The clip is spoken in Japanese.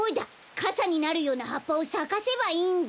かさになるようなはっぱをさかせばいいんだ！